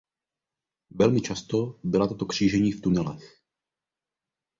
Velmi často byla tato křížení v tunelech.